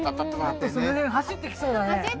ッてねその辺走ってきそうだね